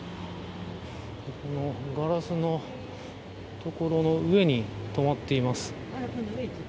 ここのガラスのところの上に止まっています。